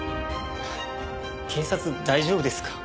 警察大丈夫ですか？